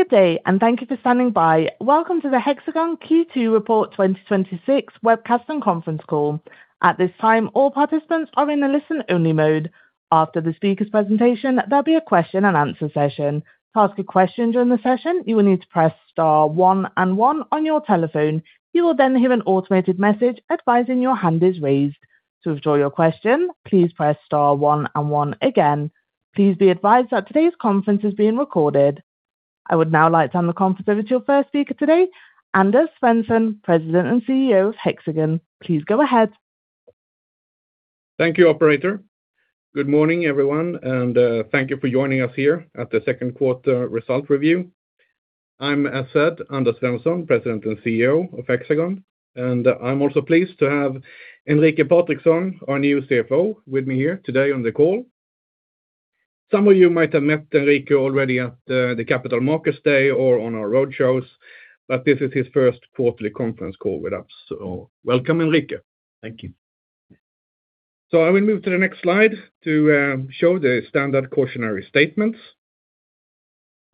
Good day. Thank you for standing by. Welcome to the Hexagon Q2 Report 2026 Webcast and Conference Call. At this time, all participants are in a listen-only mode. After the speaker's presentation, there will be a question and answer session. To ask a question during the session, you will need to press star one and one on your telephone. You will hear an automated message advising your hand is raised. To withdraw your question, please press star one and one again. Please be advised that today's conference is being recorded. I would now like to hand the conference over to your first speaker today, Anders Svensson, President and CEO of Hexagon. Please go ahead. Thank you, operator. Good morning, everyone. Thank you for joining us here at the second quarter result review. I am, as said, Anders Svensson, President and CEO of Hexagon, and I am also pleased to have Enrique Patrickson, our new CFO, with me here today on the call. Some of you might have met Enrique already at the Capital Markets Day or on our road shows. This is his first quarterly conference call with us. Welcome, Enrique. Thank you. I will move to the next slide to show the standard cautionary statements.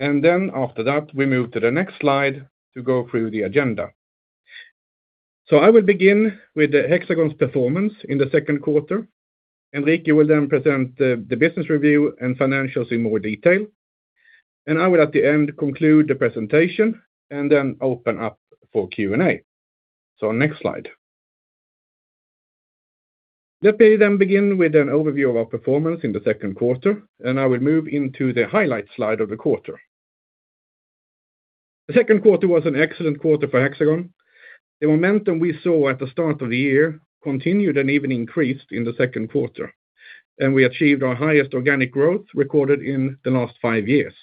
After that, we move to the next slide to go through the agenda. I will begin with Hexagon's performance in the second quarter. Enrique will then present the business review and financials in more detail. I will, at the end, conclude the presentation and then open up for Q&A. Next slide. Let me then begin with an overview of our performance in the second quarter. I will move into the highlights slide of the quarter. The second quarter was an excellent quarter for Hexagon. The momentum we saw at the start of the year continued and even increased in the second quarter. We achieved our highest organic growth recorded in the last five years.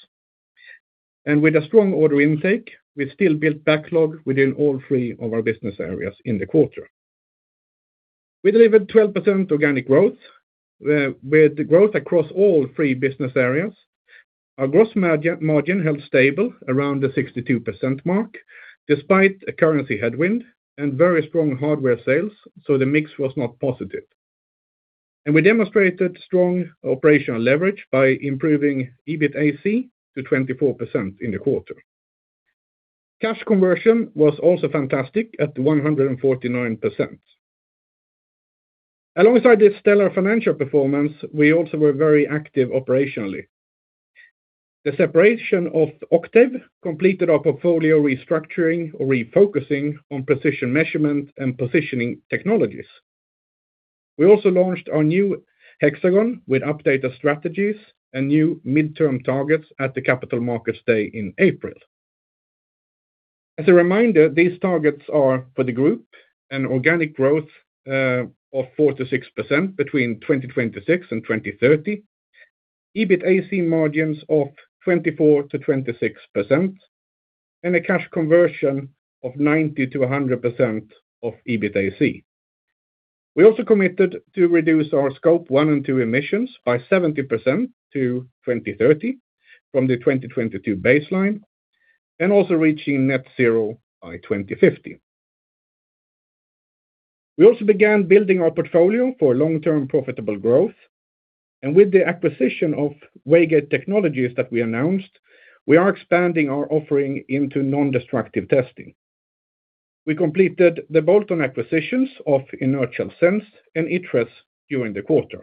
With a strong order intake, we still built backlog within all three of our business areas in the quarter. We delivered 12% organic growth, with growth across all three business areas. Our gross margin held stable around the 62% mark despite a currency headwind and very strong hardware sales, the mix was not positive. We demonstrated strong operational leverage by improving EBITAC to 24% in the quarter. Cash conversion was also fantastic at 149%. Alongside this stellar financial performance, we also were very active operationally. The separation of Octave completed our portfolio restructuring or refocusing on precision measurement and positioning technologies. We also launched our new Hexagon with updated strategies and new midterm targets at the Capital Markets Day in April. As a reminder, these targets are for the group organic growth of 46% between 2026 and 2030, EBITAC margins of 24%-26%, and a cash conversion of 90%-100% of EBITAC. We also committed to reduce our scope 1 and 2 emissions by 70% to 2030 from the 2022 baseline and also reaching net zero by 2050. We also began building our portfolio for long-term profitable growth. With the acquisition of Waygate Technologies that we announced, we are expanding our offering into nondestructive testing. We completed the bolt-on acquisitions of Inertial Sense and ITRES during the quarter.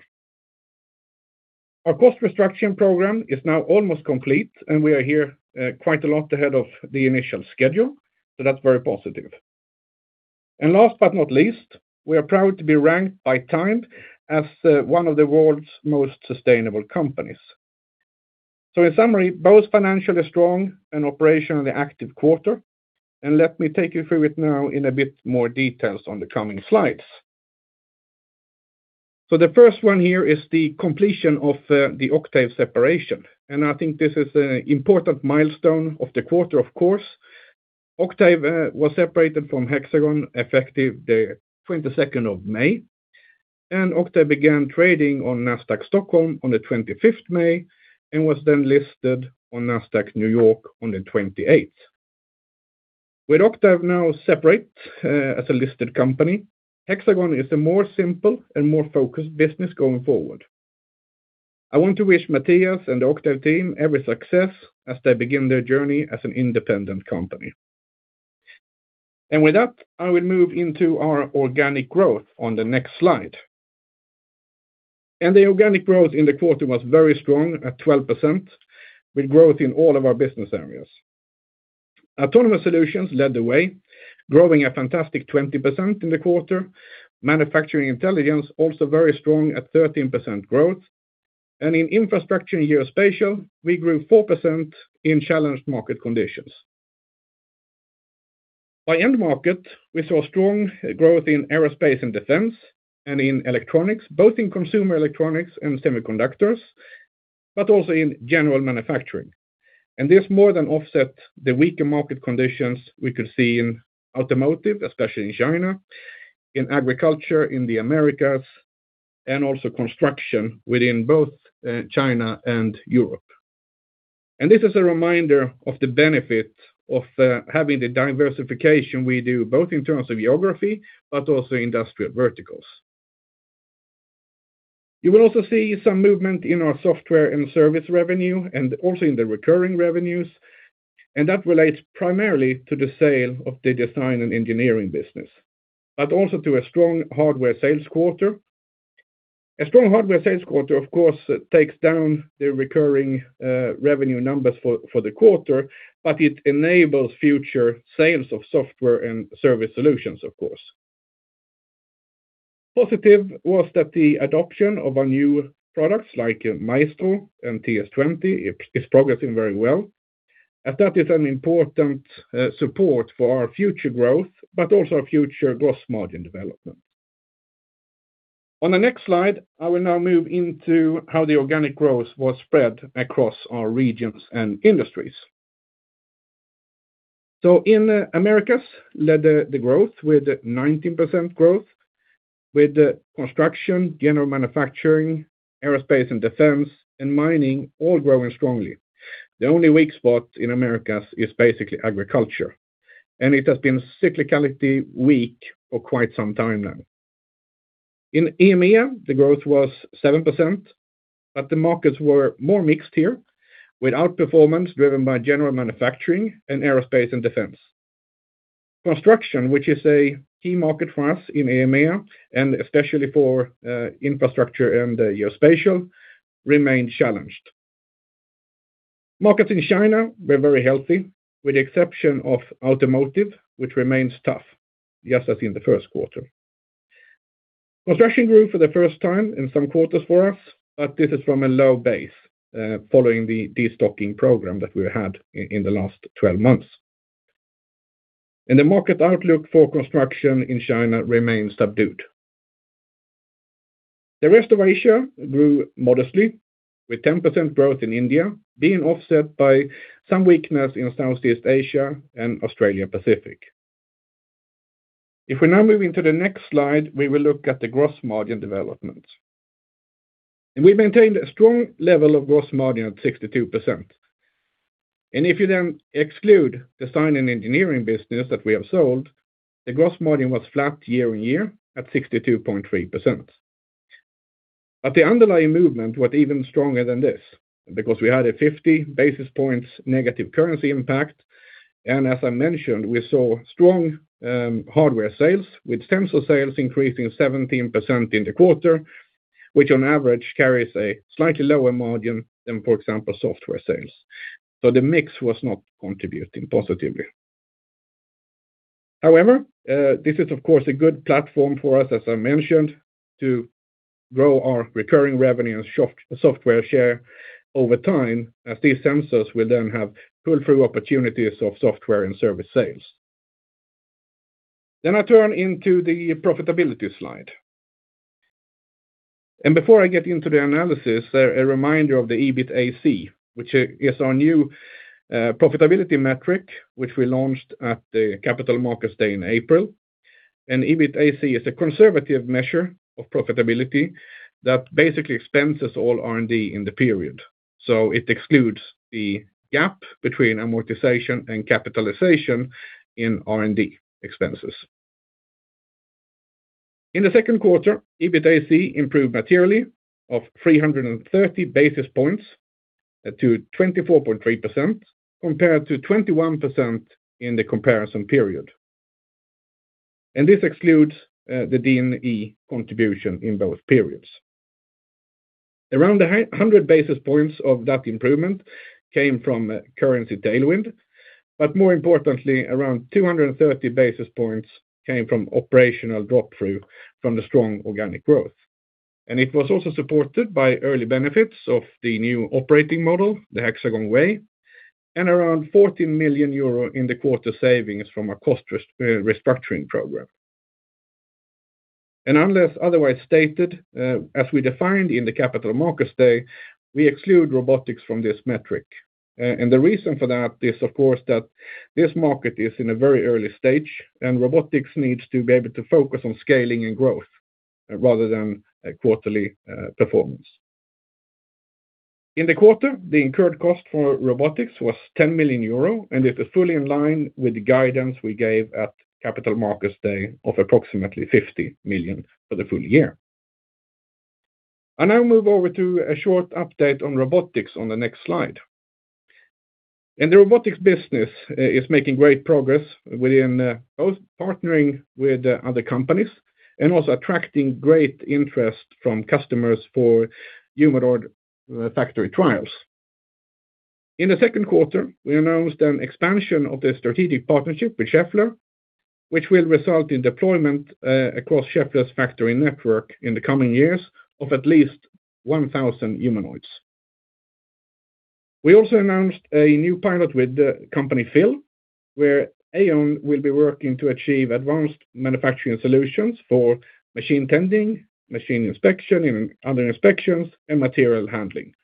Our cost restructuring program is now almost complete, we are here quite a lot ahead of the initial schedule, that's very positive. Last but not least, we are proud to be ranked by TIME as one of the world's most sustainable companies. In summary, both financially strong and operationally active quarter. Let me take you through it now in a bit more details on the coming slides. The first one here is the completion of the Octave separation, I think this is an important milestone of the quarter, of course. Octave was separated from Hexagon effective the 22nd of May, Octave began trading on Nasdaq Stockholm on the 25th May and was then listed on Nasdaq New York on the 28th. With Octave now separate as a listed company, Hexagon is a more simple and more focused business going forward. I want to wish Mattias and the Octave team every success as they begin their journey as an independent company. With that, I will move into our organic growth on the next slide. The organic growth in the quarter was very strong at 12%, with growth in all of our business areas. Autonomous Solutions led the way, growing a fantastic 20% in the quarter. Manufacturing Intelligence also very strong at 13% growth. In Infrastructure & Geospatial, we grew 4% in challenged market conditions. By end market, we saw strong growth in aerospace and defense in electronics, both in consumer electronics and semiconductors, also in general manufacturing. This more than offset the weaker market conditions we could see in automotive, especially in China, in agriculture in the Americas, also construction within both China and Europe. This is a reminder of the benefit of having the diversification we do, both in terms of geography but also industrial verticals. You will also see some movement in our software and service revenue, also in the recurring revenues. That relates primarily to the sale of the Design & Engineering business, but also to a strong hardware sales quarter. A strong hardware sales quarter, of course, takes down the recurring revenue numbers for the quarter, but it enables future sales of software and service solutions, of course. Positive was that the adoption of our new products like MAESTRO and TS20 is progressing very well, as that is an important support for our future growth, but also our future gross margin development. On the next slide, I will now move into how the organic growth was spread across our regions and industries. In Americas, led the growth with 19% growth, with construction, general manufacturing, aerospace and defense, and mining all growing strongly. The only weak spot in Americas is basically cyclically weak for quite some time now. In EMEA, the growth was 7%, the markets were more mixed here, with outperformance driven by general manufacturing and aerospace and defense. Construction, which is a key market for us in EMEA, and especially for Infrastructure & Geospatial, remained challenged. Markets in China were very healthy, with the exception of automotive, which remains tough, just as in the first quarter. Construction grew for the first time in some quarters for us, but this is from a low base, following the de-stocking program that we had in the last 12 months. The market outlook for construction in China remains subdued. The rest of Asia grew modestly, with 10% growth in India being offset by some weakness in Southeast Asia and Australia Pacific. If we now move into the next slide, we will look at the gross margin development. We maintained a strong level of gross margin at 62%. If you then exclude Design & Engineering business that we have sold, the gross margin was flat year-on-year at 62.3%. The underlying movement was even stronger than this because we had a 50 basis points negative currency impact, and as I mentioned, we saw strong hardware sales, with sensor sales increasing 17% in the quarter, which on average carries a slightly lower margin than, for example, software sales. The mix was not contributing positively. However, this is, of course, a good platform for us, as I mentioned, to grow our recurring revenue and software share over time as these sensors will then have pull-through opportunities of software and service sales. I turn into the profitability slide. Before I get into the analysis, a reminder of the EBITAC, which is our new profitability metric, which we launched at the Capital Markets Day in April. EBITAC is a conservative measure of profitability that basically expenses all R&D in the period. It excludes the gap between amortization and capitalization in R&D expenses. In the second quarter, EBITAC improved materially of 330 basis points to 24.3%, compared to 21% in the comparison period. This excludes the D&E contribution in both periods. Around 100 basis points of that improvement came from currency tailwind, more importantly, around 230 basis points came from operational drop-through from the strong organic growth. It was also supported by early benefits of the new operating model, the Hexagon Way, and around 14 million euro in the quarter savings from our cost restructuring program. Unless otherwise stated, as we defined in the Capital Markets Day, we exclude robotics from this metric. The reason for that is, of course, that this market is in a very early stage. Robotics needs to be able to focus on scaling and growth rather than quarterly performance. In the quarter, the incurred cost for robotics was 10 million euro. It is fully in line with the guidance we gave at Capital Markets Day of approximately 50 million for the full year. I now move over to a short update on robotics on the next slide. The robotics business is making great progress within both partnering with other companies and also attracting great interest from customers for humanoid factory trials. In the second quarter, we announced an expansion of the strategic partnership with Schaeffler, which will result in deployment across Schaeffler's factory network in the coming years of at least 1,000 humanoids. We also announced a new pilot with the company FIL, where AEON will be working to achieve advanced manufacturing solutions for machine tending, machine inspection, and other inspections, and material handling.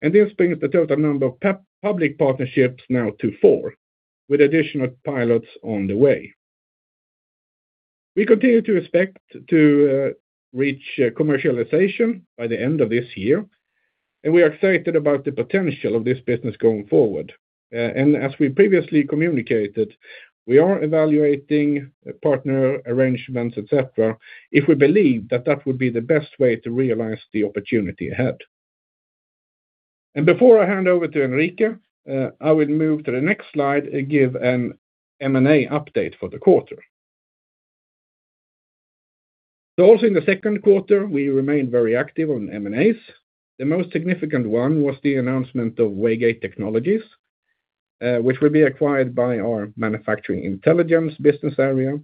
This brings the total number of public partnerships now to four, with additional pilots on the way. We continue to expect to reach commercialization by the end of this year. We are excited about the potential of this business going forward. As we previously communicated, we are evaluating partner arrangements, et cetera, if we believe that that would be the best way to realize the opportunity ahead. Before I hand over to Enrique, I will move to the next slide and give an M&A update for the quarter. Also in the second quarter, we remained very active on M&As. The most significant one was the announcement of Waygate Technologies, which will be acquired by our Manufacturing Intelligence business area.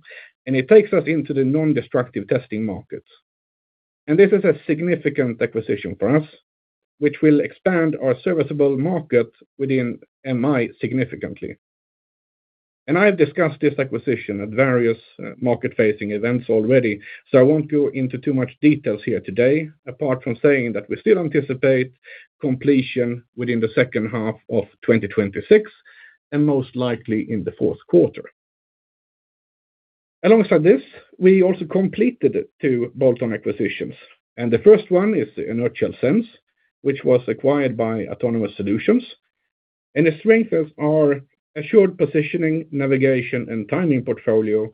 It takes us into the nondestructive testing markets. This is a significant acquisition for us, which will expand our serviceable market within MI significantly. I have discussed this acquisition at various market-facing events already, so I won't go into too much details here today, apart from saying that we still anticipate completion within the second half of 2026, and most likely in the fourth quarter. Alongside this, we also completed two bolt-on acquisitions. The first one is Inertial Sense, which was acquired by Autonomous Solutions. It strengthens our assured positioning, navigation, and timing portfolio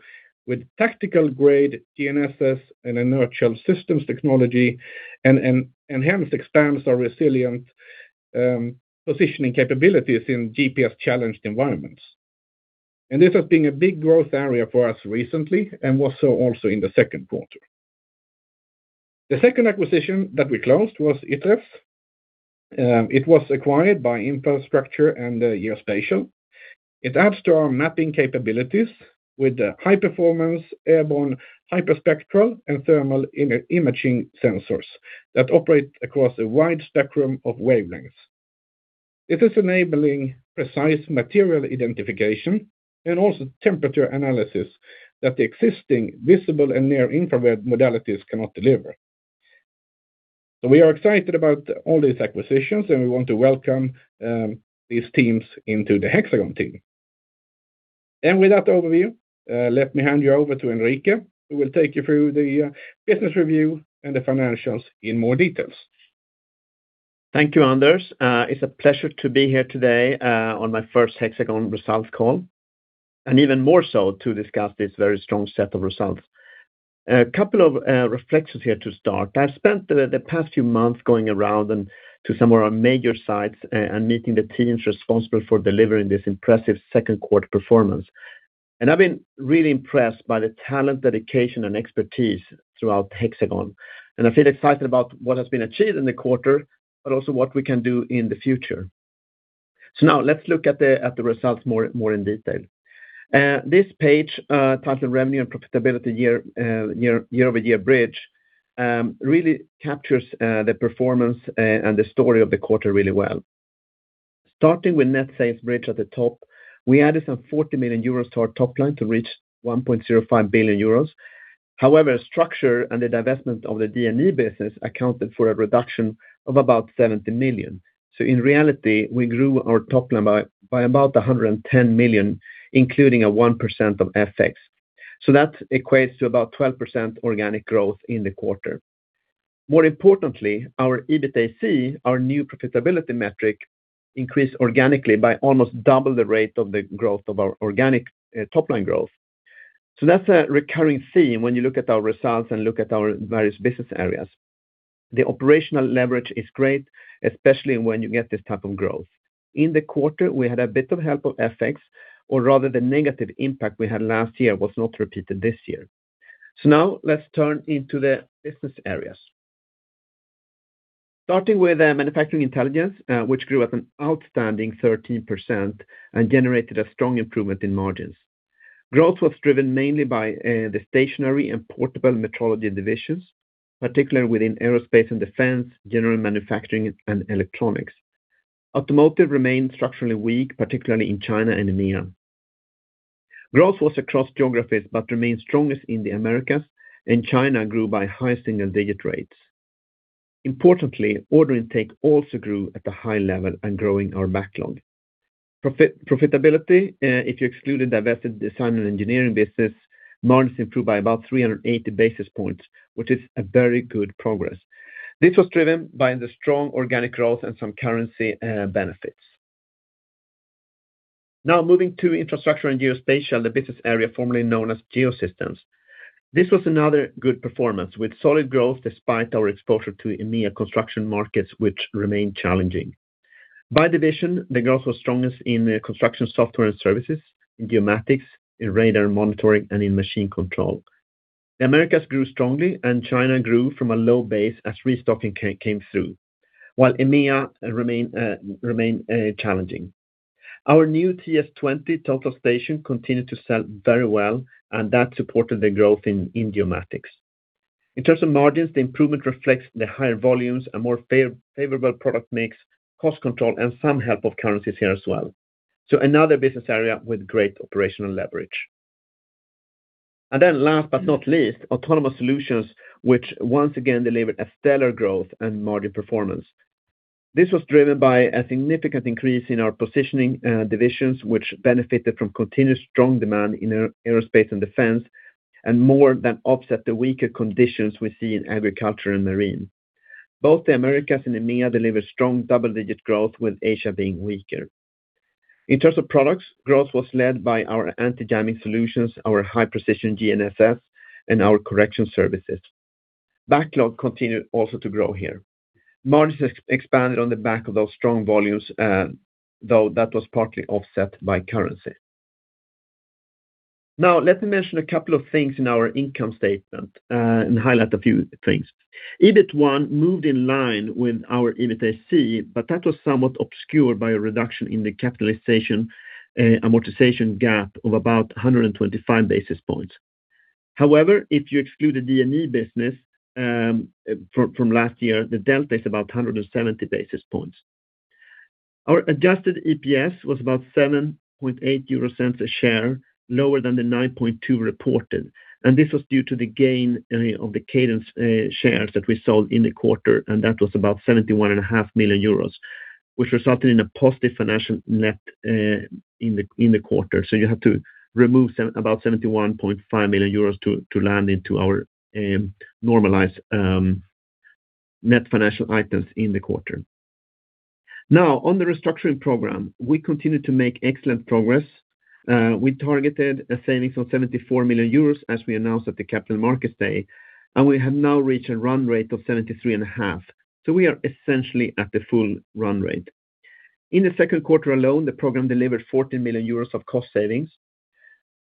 with tactical-grade GNSS and inertial systems technology, and hence expands our resilient positioning capabilities in GPS-challenged environments. This has been a big growth area for us recently and was so also in the second quarter. The second acquisition that we closed was ITRES. It was acquired by Infrastructure & Geospatial. It adds to our mapping capabilities with high-performance airborne hyperspectral and thermal imaging sensors that operate across a wide spectrum of wavelengths. It is enabling precise material identification and also temperature analysis that the existing visible and near-infrared modalities cannot deliver. We are excited about all these acquisitions, and we want to welcome these teams into the Hexagon team. With that overview, let me hand you over to Enrique, who will take you through the business review and the financials in more details. Thank you, Anders. It's a pleasure to be here today on my first Hexagon results call, and even more so to discuss this very strong set of results. A couple of reflections here to start. I've spent the past few months going around to some of our major sites and meeting the teams responsible for delivering this impressive second quarter performance. I feel excited about what has been achieved in the quarter, but also what we can do in the future. Now let's look at the results more in detail. This page, titled Revenue and Profitability Year-over-year Bridge, really captures the performance and the story of the quarter really well. Starting with net sales bridge at the top, we added some 40 million euros to our top line to reach 1.05 billion euros. However, structure and the divestment of the D&E business accounted for a reduction of about 70 million. In reality, we grew our top line by about 110 million, including a 1% of FX. That equates to about 12% organic growth in the quarter. More importantly, our EBITAC, our new profitability metric, increased organically by almost double the rate of the growth of our organic top-line growth. That's a recurring theme when you look at our results and look at our various business areas. The operational leverage is great, especially when you get this type of growth. In the quarter, we had a bit of help of FX, or rather, the negative impact we had last year was not repeated this year. Now let's turn into the business areas. Starting with Manufacturing Intelligence, which grew at an outstanding 13% and generated a strong improvement in margins. Growth was driven mainly by the stationary and portable metrology divisions, particularly within aerospace and defense, general manufacturing, and electronics. Automotive remained structurally weak, particularly in China and EMEA. Growth was across geographies but remained strongest in the Americas, and China grew by high single-digit rates. Importantly, order intake also grew at a high level and growing our backlog. Profitability, if you exclude the divested Design & Engineering business, margins improved by about 380 basis points, which is a very good progress. This was driven by the strong organic growth and some currency benefits. Now moving to Infrastructure & Geospatial, the business area formerly known as Geosystems. This was another good performance with solid growth despite our exposure to EMEA construction markets, which remain challenging. By division, the growth was strongest in construction software and services, in geomatics, in radar monitoring, and in machine control. The Americas grew strongly, and China grew from a low base as restocking came through, while EMEA remained challenging. Our new TS20 total station continued to sell very well, and that supported the growth in geomatics. In terms of margins, the improvement reflects the higher volumes, a more favorable product mix, cost control, and some help of currencies here as well. So another business area with great operational leverage. Last but not least, Autonomous Solutions, which once again delivered a stellar growth and margin performance. This was driven by a significant increase in our positioning divisions, which benefited from continuous strong demand in aerospace and defense and more than offset the weaker conditions we see in agriculture and marine. Both the Americas and EMEA delivered strong double-digit growth, with Asia being weaker. In terms of products, growth was led by our anti-jamming solutions, our high-precision GNSS, and our correction services. Backlog continued also to grow here. Margins expanded on the back of those strong volumes, though that was partly offset by currency. Let me mention a couple of things in our income statement and highlight a few things. EBIT1 moved in line with our EBITAC, but that was somewhat obscured by a reduction in the capitalization amortization gap of about 125 basis points. However, if you exclude the D&E business from last year, the delta is about 170 basis points. Our adjusted EPS was about 0.078 a share, lower than the 0.092 reported. This was due to the gain of the Cadence shares that we sold in the quarter, and that was about 71.5 million euros, which resulted in a positive financial net in the quarter. You have to remove about 71.5 million euros to land into our normalized net financial items in the quarter. On the restructuring program, we continue to make excellent progress. We targeted a savings of 74 million euros, as we announced at the Capital Markets Day, and we have now reached a run rate of 73.5 million. We are essentially at the full run rate. In the second quarter alone, the program delivered 14 million euros of cost savings.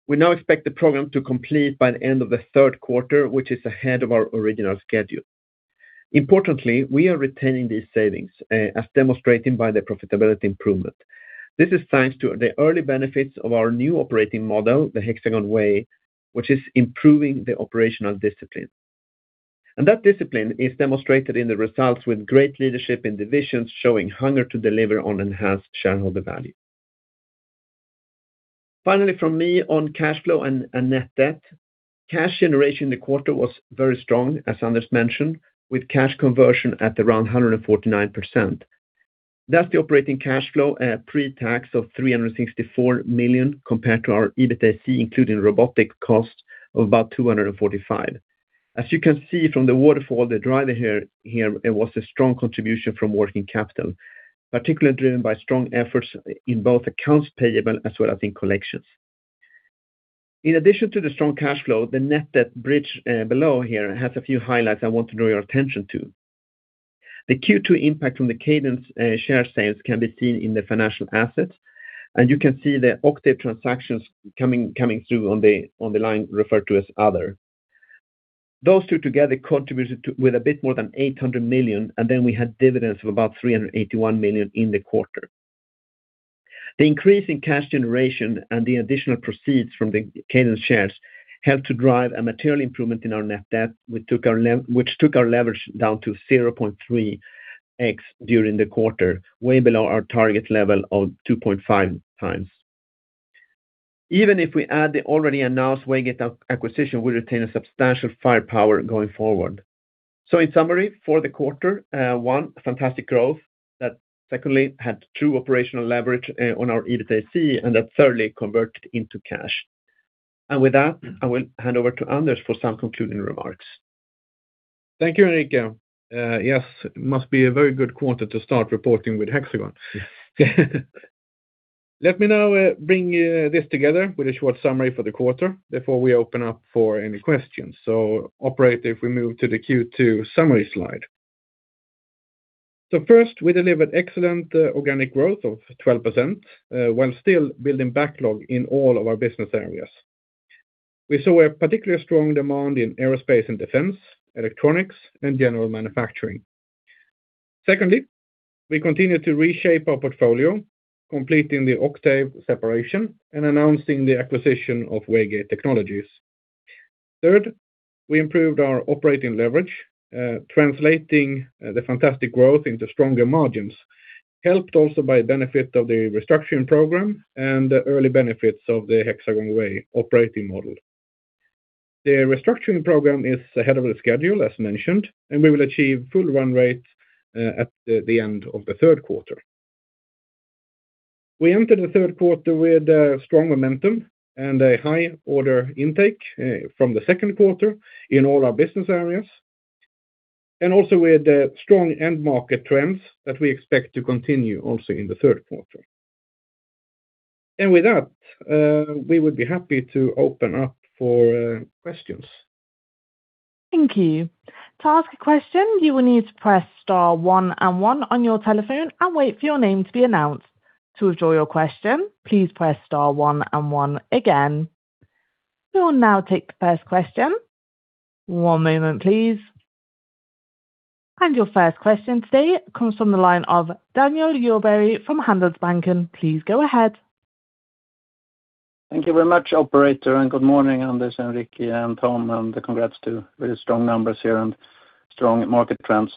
We now expect the program to complete by the end of the third quarter, which is ahead of our original schedule. Importantly, we are retaining these savings, as demonstrated by the profitability improvement. This is thanks to the early benefits of our new operating model, the Hexagon Way, which is improving the operational discipline. That discipline is demonstrated in the results with great leadership in divisions showing hunger to deliver on enhanced shareholder value. Finally from me on cash flow and net debt, cash generation in the quarter was very strong, as Anders mentioned, with cash conversion at around 149%. That is the operating cash flow, pre-tax of 364 million compared to our EBITAC, including robotic costs of about 245 million. You can see from the waterfall, the driver here was a strong contribution from working capital, particularly driven by strong efforts in both accounts payable as well as in collections. In addition to the strong cash flow, the net debt bridge below here has a few highlights I want to draw your attention to. The Q2 impact from the Cadence share sales can be seen in the financial assets, and you can see the Octave transactions coming through on the line referred to as Other. Those two together contributed with a bit more than 800 million, and then we had dividends of about 381 million in the quarter. The increase in cash generation and the additional proceeds from the Cadence shares helped to drive a material improvement in our net debt which took our leverage down to 0.3x during the quarter, way below our target level of 2.5x. Even if we add the already announced Waygate acquisition, we retain a substantial firepower going forward. In summary, for the quarter, one, fantastic growth, that secondly had true operational leverage on our EBITAC, and that thirdly converted into cash. With that, I will hand over to Anders for some concluding remarks. Thank you, Enrique. Yes, it must be a very good quarter to start reporting with Hexagon. Let me now bring this together with a short summary for the quarter before we open up for any questions. Operator, if we move to the Q2 summary slide. First, we delivered excellent organic growth of 12%, while still building backlog in all of our business areas. We saw a particularly strong demand in aerospace and defense, electronics, and general manufacturing. Secondly, we continued to reshape our portfolio, completing the Octave separation and announcing the acquisition of Waygate Technologies. Third, we improved our operating leverage, translating the fantastic growth into stronger margins, helped also by benefit of the restructuring program and the early benefits of the Hexagon Way operating model. The restructuring program is ahead of the schedule, as mentioned, and we will achieve full run rate at the end of the third quarter. We entered the third quarter with strong momentum and a high order intake from the second quarter in all our business areas. Also with the strong end market trends that we expect to continue also in the third quarter. With that, we would be happy to open up for questions. Thank you. To ask a question, you will need to press star one and one on your telephone and wait for your name to be announced. To withdraw your question, please press star one and one again. We will now take the first question. One moment, please. Your first question today comes from the line of Daniel Djurberg from Handelsbanken. Please go ahead. Thank you very much, operator. Good morning, Anders and Enrique and Tom, and congrats to very strong numbers here and strong market trends.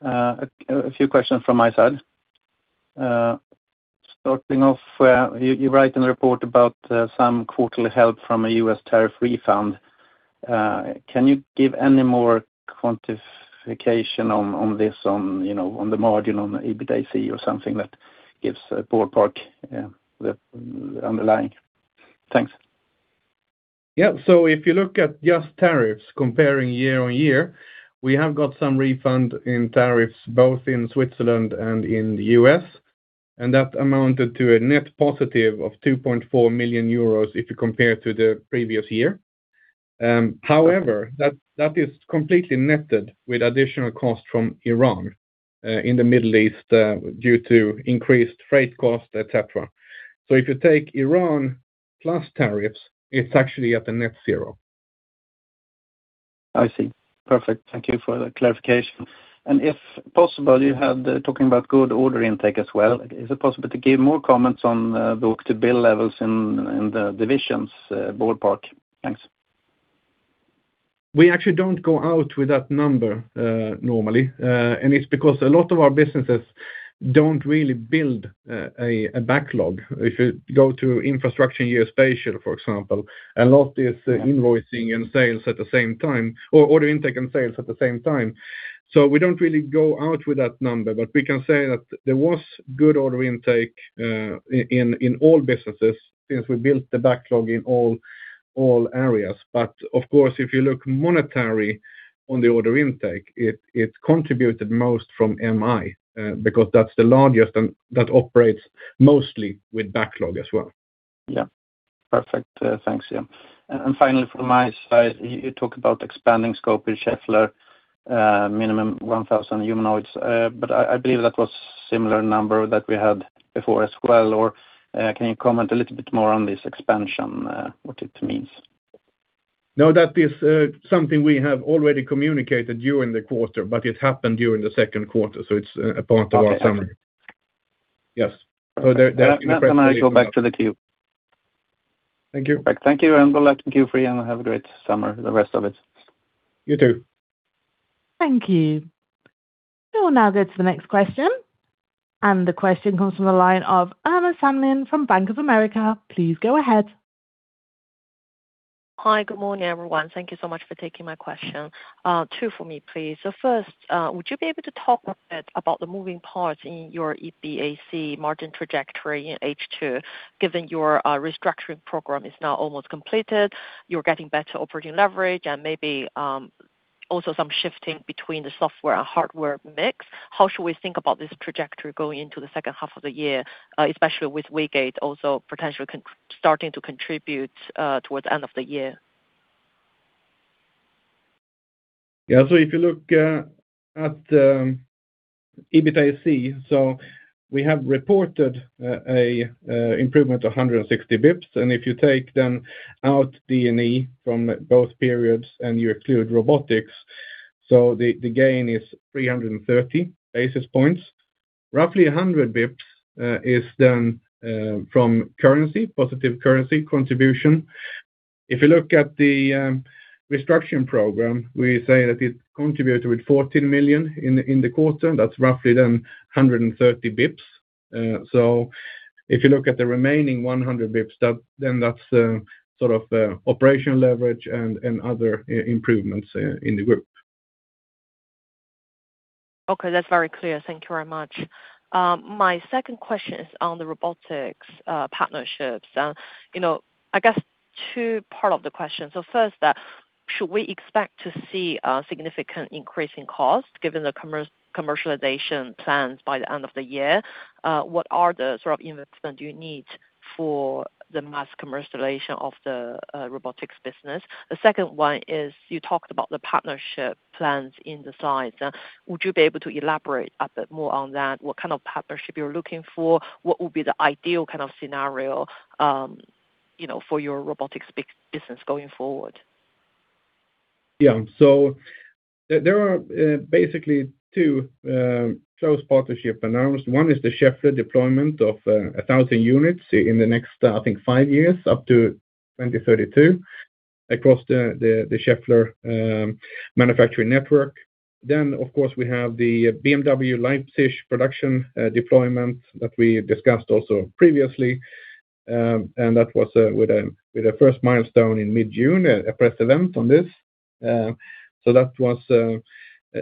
A few questions from my side. Starting off, you write in the report about some quarterly help from a U.S. tariff refund. Can you give any more quantification on this, on the margin, on the EBITAC or something that gives a ballpark, the underlying. Thanks. Yeah. If you look at just tariffs comparing year-over-year, we have got some refund in tariffs both in Switzerland and in the U.S., that amounted to a net positive of 2.4 million euros if you compare to the previous year. However, that is completely netted with additional cost from Iran, in the Middle East, due to increased freight cost, et cetera. If you take Iran plus tariffs, it's actually at a net zero. I see. Perfect. Thank you for the clarification. If possible, you were talking about good order intake as well. Is it possible to give more comments on book-to-bill levels in the divisions, ballpark? Thanks. We actually don't go out with that number, normally. It's because a lot of our businesses don't really build a backlog. If you go to Infrastructure & Geospatial, for example, a lot is invoicing and sales at the same time, or order intake and sales at the same time. We don't really go out with that number, but we can say that there was good order intake in all businesses since we built the backlog in all areas. Of course, if you look monetary on the order intake, it's contributed most from MI, because that's the largest and that operates mostly with backlog as well. Yeah. Perfect. Thanks. Yeah. Finally, from my side, you talk about expanding scope in Schaeffler, minimum 1,000 humanoids. I believe that was similar number that we had before as well, or can you comment a little bit more on this expansion, what it means? No, that is something we have already communicated during the quarter, but it happened during the second quarter, so it's a part of our summary. Okay. Yes. With that can I go back to the queue? Thank you. Right. Thank you, and good luck in Q3, and have a great summer, the rest of it. You, too. Thank you. We will now go to the next question, the question comes from the line of Uma Samlin from Bank of America. Please go ahead. Hi. Good morning, everyone. Thank you so much for taking my question. Two for me, please. First, would you be able to talk a bit about the moving parts in your EBITAC margin trajectory in H2, given your restructuring program is now almost completed, you're getting better operating leverage and maybe, also some shifting between the software and hardware mix. How should we think about this trajectory going into the second half of the year, especially with Waygate also potentially starting to contribute, towards the end of the year? Yeah. If you look at the EBITAC, we have reported an improvement of 160 basis points, and if you take them out D&E from both periods and you exclude robotics, the gain is 330 basis points. Roughly 100 basis points is then from currency, positive currency contribution. If you look at the restructuring program, we say that it contributed with 14 million in the quarter. That's roughly then 130 basis points. If you look at the remaining 100 basis points, that's sort of operational leverage and other improvements in the group. Okay, that's very clear. Thank you very much. My second question is on the robotics partnerships. I guess two-part of the question. First, should we expect to see a significant increase in cost given the commercialization plans by the end of the year? What are the sort of investment you need for the mass commercialization of the robotics business? The second one is, you talked about the partnership plans in the slides. Would you be able to elaborate a bit more on that? What kind of partnership you're looking for? What would be the ideal kind of scenario for your robotics business going forward? Yeah. There are basically two close partnerships announced. One is the Schaeffler deployment of 1,000 units in the next, I think, five years up to 2032 across the Schaeffler manufacturing network. Of course, we have the BMW Leipzig production deployment that we discussed also previously. That was with a first milestone in mid-June, a press event on this.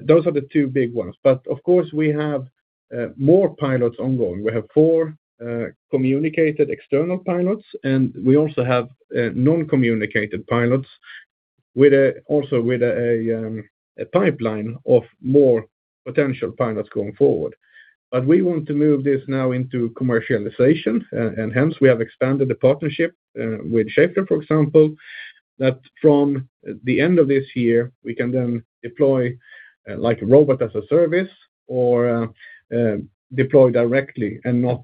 Those are the two big ones. Of course, we have more pilots ongoing. We have four communicated external pilots, and we also have non-communicated pilots also with a pipeline of more potential pilots going forward. We want to move this now into commercialization, and hence we have expanded the partnership with Schaeffler, for example, that from the end of this year, we can then deploy like a robot as a service or deploy directly and not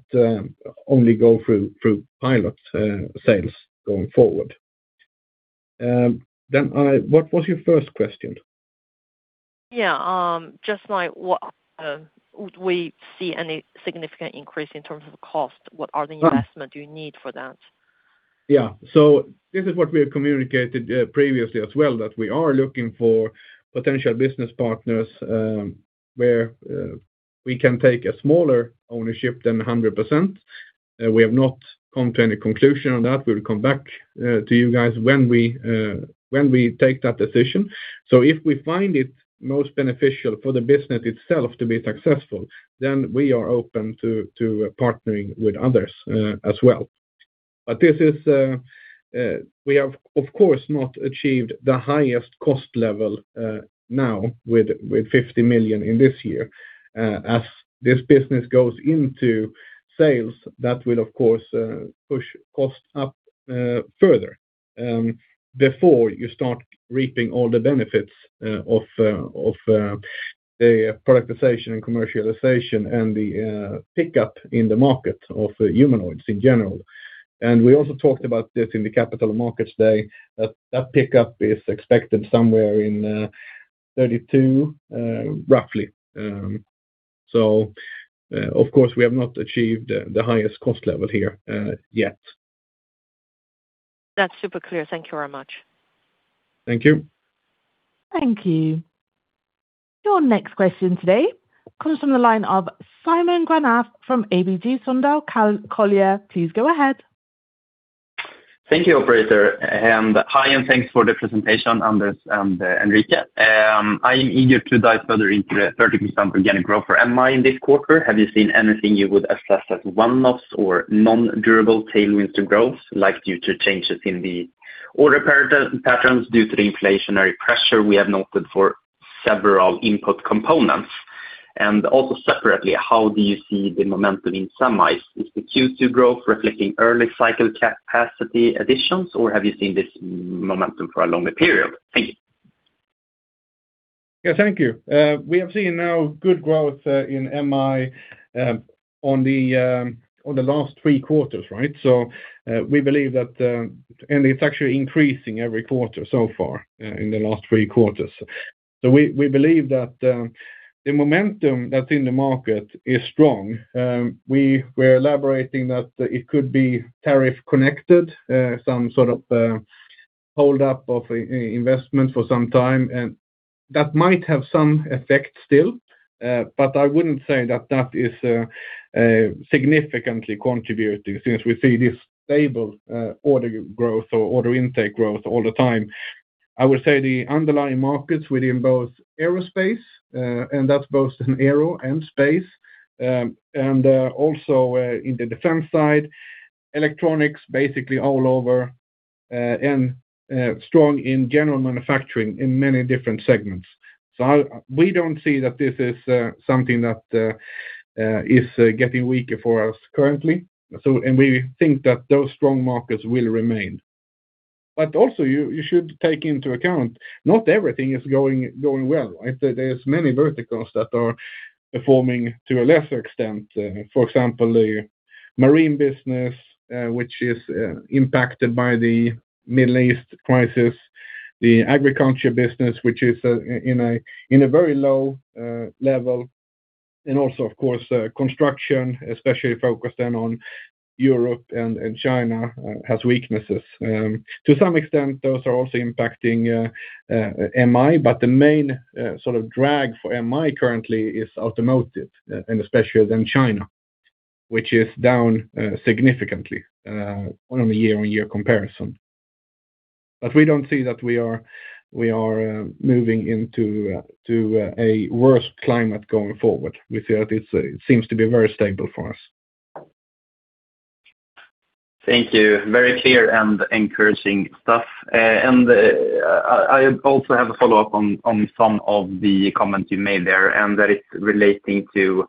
only go through pilot sales going forward. What was your first question? Would we see any significant increase in terms of cost? What are the investment you need for that? This is what we have communicated previously as well, that we are looking for potential business partners, where we can take a smaller ownership than 100%. We have not come to any conclusion on that. We'll come back to you guys when we take that decision. If we find it most beneficial for the business itself to be successful, then we are open to partnering with others as well. We have, of course, not achieved the highest cost level now with 50 million in this year. As this business goes into sales, that will, of course, push costs up further, before you start reaping all the benefits of the productization and commercialization and the pickup in the market of humanoids in general. We also talked about this in the Capital Markets Day, that that pickup is expected somewhere in 2032, roughly. Of course, we have not achieved the highest cost level here, yet. That's super clear. Thank you very much. Thank you. Thank you. Your next question today comes from the line of Simon Granath from ABG Sundal Collier. Please go ahead. Thank you, operator. Hi, and thanks for the presentation, Anders and Enrique. I am eager to dive further into the 13% organic growth for MI in this quarter. Have you seen anything you would assess as one-offs or non-durable tailwinds to growth, like due to changes in the order patterns due to the inflationary pressure we have noted for several input components? Also separately, how do you see the momentum in SEMI? Is the Q2 growth reflecting early cycle capacity additions, or have you seen this momentum for a longer period? Thank you. Thank you. We have seen now good growth in MI on the last three quarters. It's actually increasing every quarter so far in the last three quarters. We believe that the momentum that's in the market is strong. We're elaborating that it could be tariff connected, some sort of hold up of investment for some time. That might have some effect still. I wouldn't say that that is significantly contributing since we see this stable order growth or order intake growth all the time. I would say the underlying markets within both aerospace, and that's both in aero and space, and also in the defense side, electronics, basically all over, and strong in general manufacturing in many different segments. We don't see that this is something that is getting weaker for us currently. We think that those strong markets will remain. Also, you should take into account not everything is going well. There's many verticals that are performing to a lesser extent. For example, the marine business, which is impacted by the Middle East crisis, the agriculture business, which is in a very low level, and also, of course, construction, especially focused then on Europe and China, has weaknesses. To some extent, those are also impacting MI, but the main sort of drag for MI currently is automotive, and especially then China, which is down significantly on a year-on-year comparison. We don't see that we are moving into a worse climate going forward. We see that it seems to be very stable for us. Thank you. Very clear and encouraging stuff. I also have a follow-up on some of the comments you made there, and that is relating to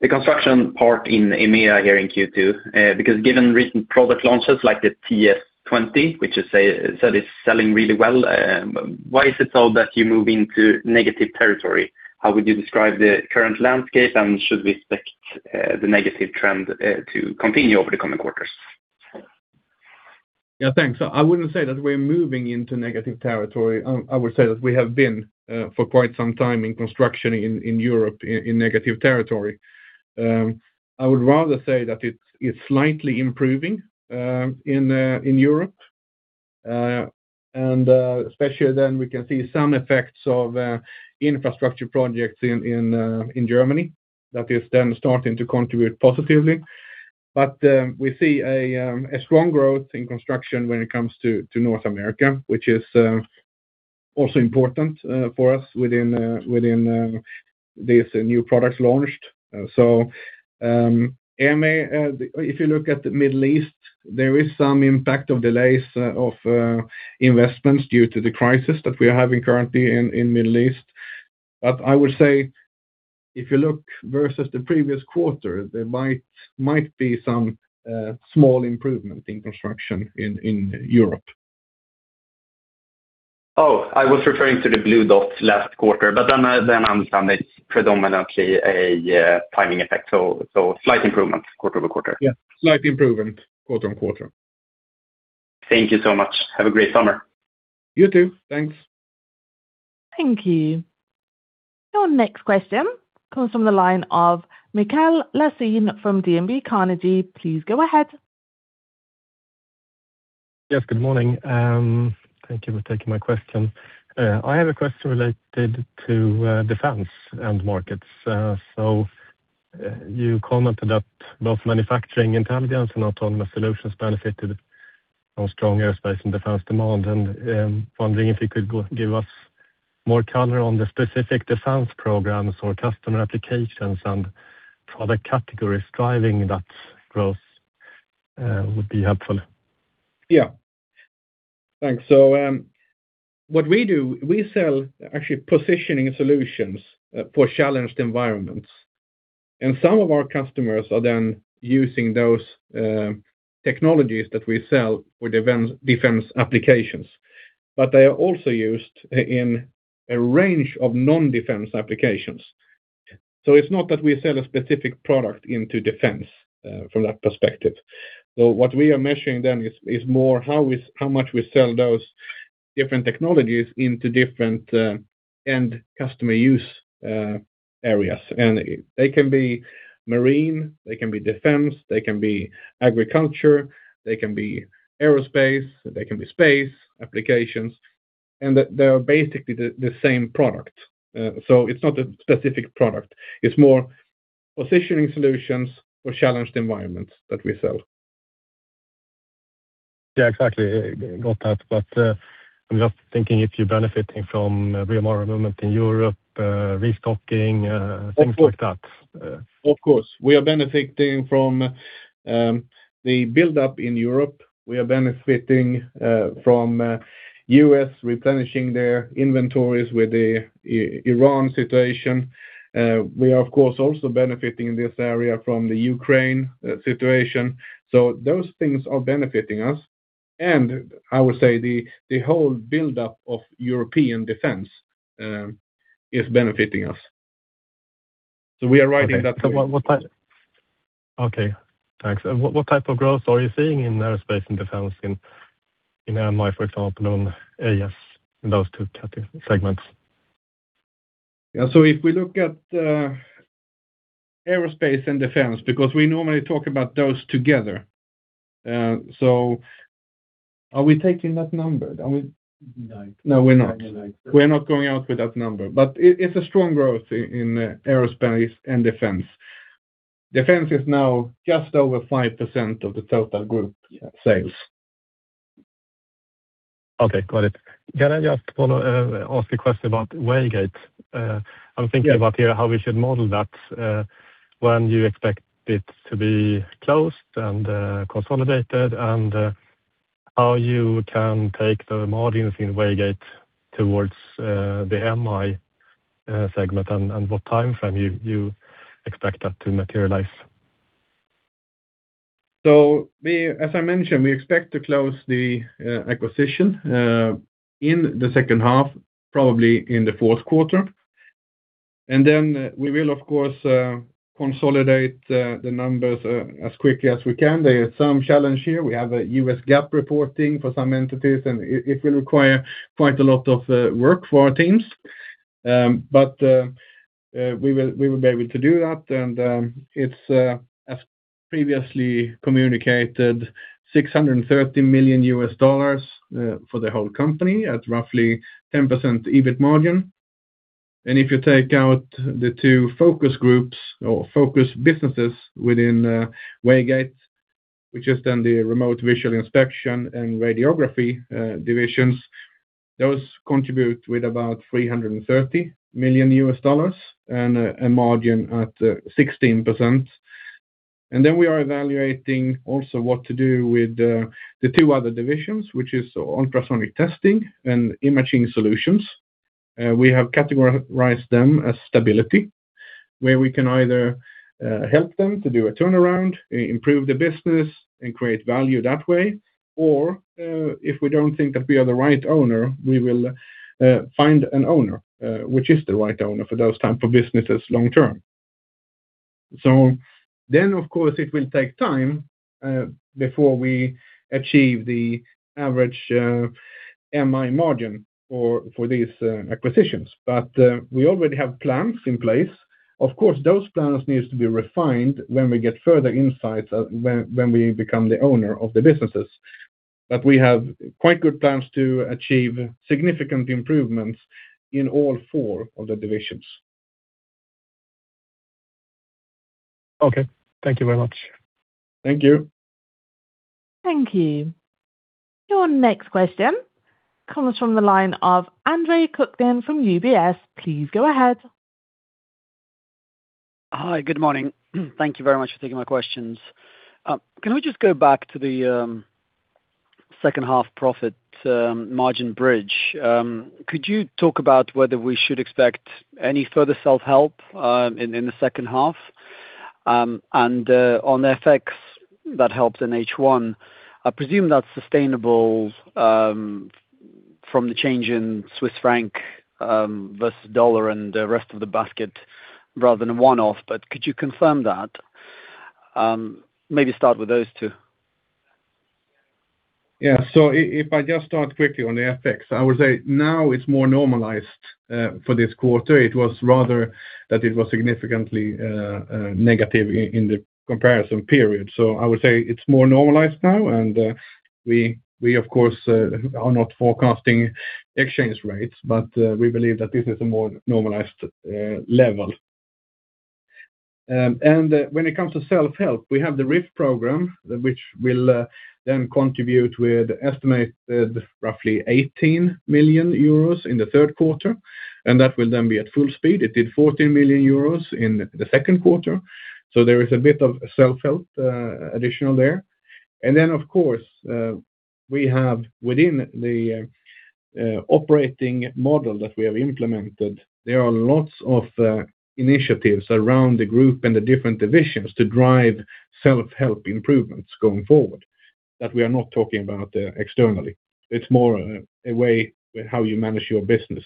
the construction part in EMEA here in Q2. Given recent product launches like the TS20, which you said is selling really well, why is it, though, that you move into negative territory? How would you describe the current landscape, and should we expect the negative trend to continue over the coming quarters? Yeah, thanks. I wouldn't say that we're moving into negative territory. I would say that we have been for quite some time in construction in Europe in negative territory. I would rather say that it's slightly improving in Europe. Especially then we can see some effects of infrastructure projects in Germany that is then starting to contribute positively. We see a strong growth in construction when it comes to North America, which is also important for us within these new products launched. If you look at the Middle East, there is some impact of delays of investments due to the crisis that we are having currently in Middle East. I would say if you look versus the previous quarter, there might be some small improvement in construction in Europe. I was referring to the blue dots last quarter, I understand it's predominantly a timing effect. Slight improvement quarter-over-quarter. Yeah, slight improvement quarter-on-quarter. Thank you so much. Have a great summer. You too. Thanks. Thank you. Your next question comes from the line of Mikael Laséen from DNB Carnegie. Please go ahead. Yes. Good morning. Thank you for taking my question. I have a question related to defense end markets. You commented that both Manufacturing Intelligence and Autonomous Solutions benefited from strong aerospace and defense demand, and I'm wondering if you could give us more color on the specific defense programs or customer applications and product categories driving that growth would be helpful. Yeah. Thanks. What we do, we sell actually positioning solutions for challenged environments. Some of our customers are then using those technologies that we sell for defense applications. They are also used in a range of non-defense applications. It's not that we sell a specific product into defense, from that perspective. What we are measuring then is more how much we sell those different technologies into different end customer use areas. They can be marine, they can be defense, they can be agriculture, they can be aerospace, they can be space applications. They are basically the same product. It's not a specific product. It's more positioning solutions for challenged environments that we sell. Yeah, exactly. Got that. I'm just thinking if you're benefiting from rearmament in Europe, restocking things like that. Of course. We are benefiting from the buildup in Europe. We are benefiting from U.S. replenishing their inventories with the Iran situation. We are, of course, also benefiting in this area from the Ukraine situation. Those things are benefiting us, and I would say the whole buildup of European defense is benefiting us. We are riding that wave. Okay. Thanks. What type of growth are you seeing in aerospace and defense in MI, for example, and AS, in those two segments? Yeah. If we look at aerospace and defense, because we normally talk about those together. Are we taking that number? Are we- No. No, we're not. No, we're not. We're not going out with that number. It's a strong growth in aerospace and defense. Defense is now just over 5% of the total group sales. Okay, got it. Can I just ask a question about Waygate? I'm thinking about here how we should model that, when you expect it to be closed and consolidated, and how you can take the margins in Waygate towards the MI segment, and what timeframe you expect that to materialize. As I mentioned, we expect to close the acquisition in the second half, probably in the fourth quarter. We will, of course, consolidate the numbers as quickly as we can. There is some challenge here. We have a US GAAP reporting for some entities, it will require quite a lot of work for our teams. We will be able to do that, it's as previously communicated, $630 million for the whole company at roughly 10% EBIT margin. If you take out the two focus groups or focus businesses within Waygate, which is then the remote visual inspection and radiography divisions, those contribute with about $330 million and a margin at 16%. We are evaluating also what to do with the two other divisions, which is ultrasonic testing and imaging solutions. We have categorized them as stability, where we can either help them to do a turnaround, improve the business, and create value that way, or if we don't think that we are the right owner, we will find an owner, which is the right owner for those type of businesses long term. Of course, it will take time before we achieve the average MI margin for these acquisitions. We already have plans in place. Of course, those plans needs to be refined when we get further insights when we become the owner of the businesses. We have quite good plans to achieve significant improvements in all four of the divisions. Okay. Thank you very much. Thank you. Thank you. Your next question comes from the line of Andre Kukhnin from UBS. Please go ahead. Hi. Good morning. Thank you very much for taking my questions. Can we just go back to the second half profit margin bridge? Could you talk about whether we should expect any further self-help in the second half? On the FX that helped in H1, I presume that is sustainable from the change in Swiss franc versus Dollar and the rest of the basket rather than a one-off, but could you confirm that? Maybe start with those two. If I just start quickly on the FX, I would say now it is more normalized. For this quarter, it was rather that it was significantly negative in the comparison period. I would say it is more normalized now, and we, of course, are not forecasting exchange rates, but we believe that this is a more normalized level. When it comes to self-help, we have the RIF program, which will then contribute with estimated roughly 18 million euros in the third quarter, and that will then be at full speed. It did 14 million euros in the second quarter, so there is a bit of self-help additional there. Then, of course, we have within the operating model that we have implemented, there are lots of initiatives around the group and the different divisions to drive self-help improvements going forward that we are not talking about externally. It is more a way how you manage your business.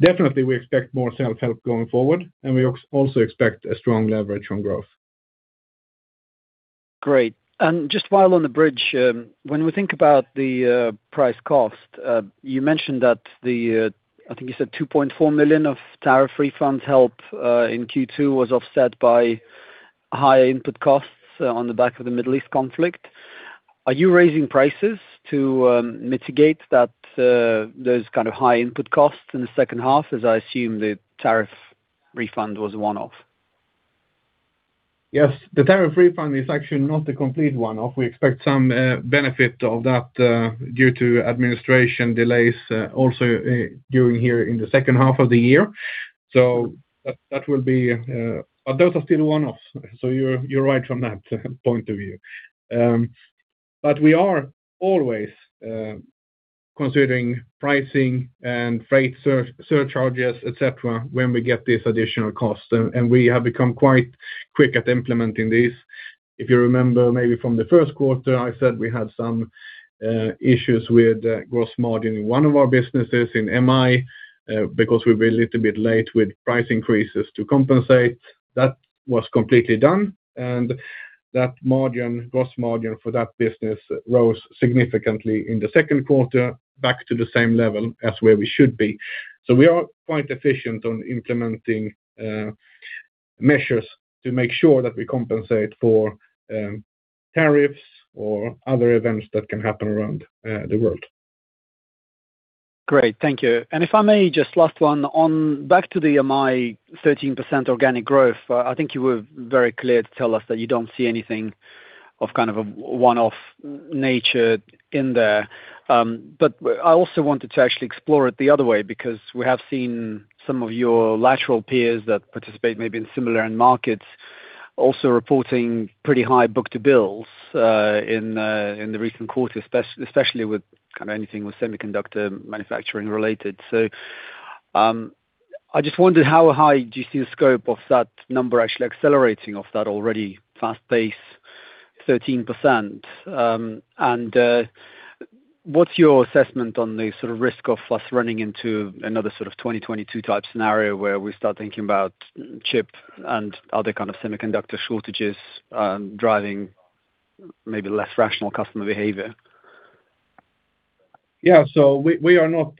Definitely we expect more self-help going forward, we also expect a strong leverage on growth. Great. Just while on the bridge, when we think about the price cost, you mentioned that, I think you said 2.4 million of tariff refund help in Q2 was offset by higher input costs on the back of the Middle East conflict. Are you raising prices to mitigate those kind of high input costs in the second half? I assume the tariff refund was a one-off. Yes. The tariff refund is actually not a complete one-off. We expect some benefit of that due to administration delays also during here in the second half of the year. Those are still one-offs. You're right from that point of view. We are always considering pricing and freight surcharges, et cetera, when we get these additional costs. We have become quite quick at implementing these. If you remember, maybe from the first quarter, I said we had some issues with gross margin in one of our businesses in MI, because we've been a little bit late with price increases to compensate. That was completely done, and gross margin for that business rose significantly in the second quarter back to the same level as where we should be. We are quite efficient on implementing measures to make sure that we compensate for tariffs or other events that can happen around the world. Great. Thank you. If I may, just last one. Back to the MI 13% organic growth, I think you were very clear to tell us that you don't see anything of a one-off nature in there. I also wanted to actually explore it the other way, because we have seen some of your lateral peers that participate maybe in similar end markets, also reporting pretty high book-to-bills in the recent quarter, especially with anything with semiconductor manufacturing related. I just wondered how high do you see the scope of that number actually accelerating off that already fast pace, 13%? What's your assessment on the risk of us running into another 2022 type scenario where we start thinking about chip and other kind of semiconductor shortages driving maybe less rational customer behavior? Yeah. We are not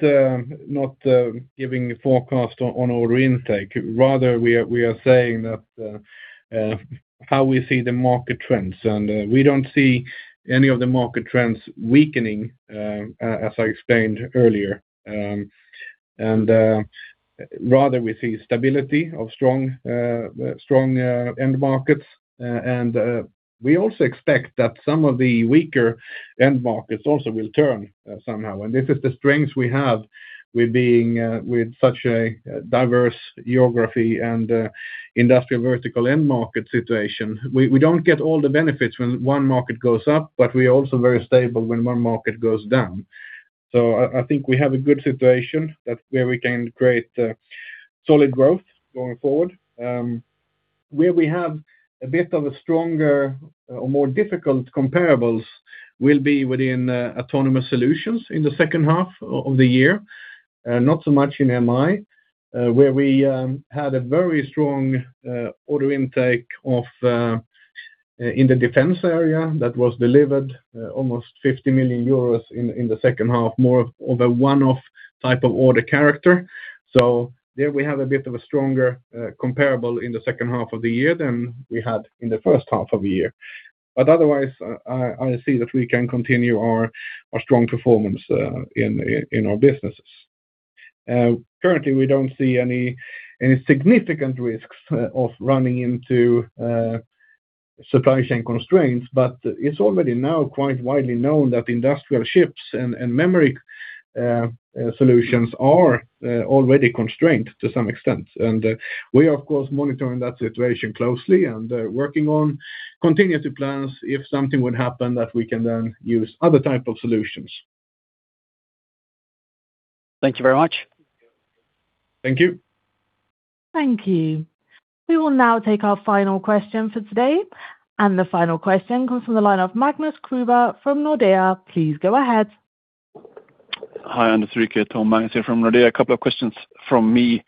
giving a forecast on order intake. Rather, we are saying that how we see the market trends. We don't see any of the market trends weakening, as I explained earlier. Rather, we see stability of strong end markets. We also expect that some of the weaker end markets also will turn somehow. This is the strength we have with being with such a diverse geography and industrial vertical end market situation. We don't get all the benefits when one market goes up, but we're also very stable when one market goes down. I think we have a good situation that where we can create solid growth going forward. Where we have a bit of a stronger or more difficult comparables will be within Autonomous Solutions in the second half of the year, not so much in MI, where we had a very strong order intake in the defense area that was delivered almost 50 million euros in the second half, more of a one-off type of order character. There we have a bit of a stronger comparable in the second half of the year than we had in the first half of the year. Otherwise, I see that we can continue our strong performance in our businesses. Currently, we don't see any significant risks of running into supply chain constraints. It's already now quite widely known that industrial chips and memory solutions are already constrained to some extent. We are, of course, monitoring that situation closely and working on contingency plans if something would happen that we can then use other type of solutions. Thank you very much. Thank you. Thank you. We will now take our final question for today. The final question comes from the line of Magnus Kruber from Nordea. Please go ahead. Hi, Anders, Enrique, Tom. Magnus here from Nordea. A couple of questions from me.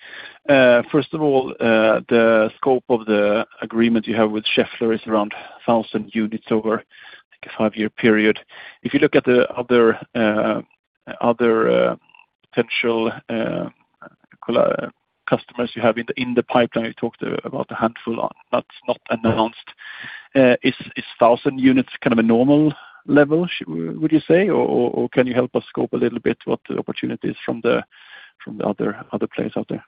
First of all, the scope of the agreement you have with Schaeffler is around 1,000 units over a five-year period. If you look at the other potential customers you have in the pipeline, you talked about a handful that's not announced. Is 1,000 units a normal level, would you say? Can you help us scope a little bit what the opportunity is from the other players out there?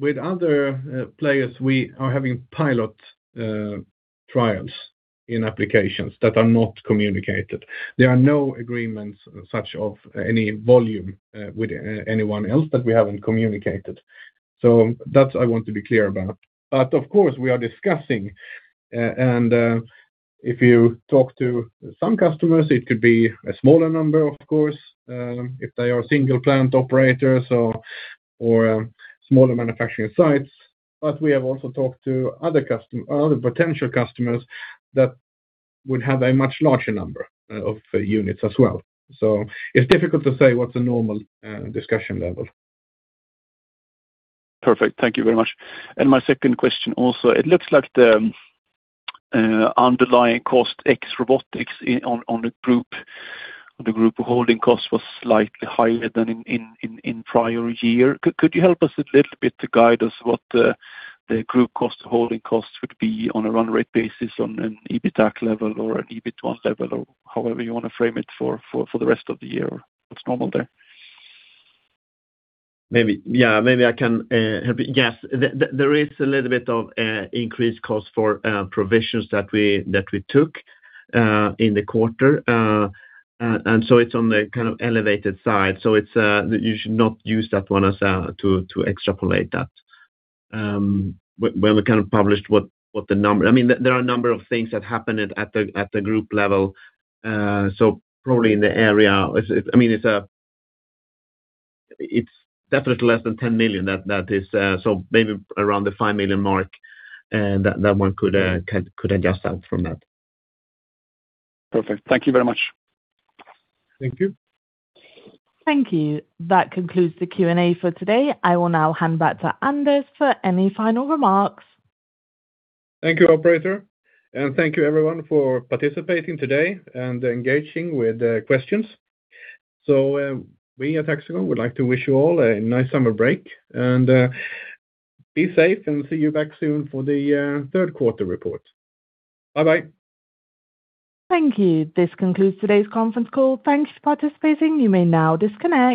With other players, we are having pilot trials in applications that are not communicated. There are no agreements such of any volume with anyone else that we haven't communicated. That I want to be clear about. Of course, we are discussing. If you talk to some customers, it could be a smaller number, of course, if they are single plant operators or smaller manufacturing sites. We have also talked to other potential customers that would have a much larger number of units as well. It's difficult to say what's a normal discussion level. Perfect. Thank you very much. My second question also, it looks like the underlying cost ex Robotics on the group holding cost was slightly higher than in prior year. Could you help us a little bit to guide us what the group cost, holding cost would be on a run rate basis on an EBITA level or an EBITDA level, or however you want to frame it for the rest of the year, or what's normal there? Maybe, yeah. Maybe I can, yes. There is a little bit of increased cost for provisions that we took in the quarter. It's on the kind of elevated side. You should not use that one to extrapolate that. There are a number of things that happened at the group level. Probably in the area, it's definitely less than 10 million. Maybe around the 5 million mark, that one could adjust out from that. Perfect. Thank you very much. Thank you. Thank you. That concludes the Q&A for today. I will now hand back to Anders for any final remarks. Thank you, operator, and thank you everyone for participating today and engaging with the questions. We at Hexagon would like to wish you all a nice summer break, and be safe, and see you back soon for the third quarter report. Bye-bye. Thank you. This concludes today's conference call. Thanks for participating. You may now disconnect.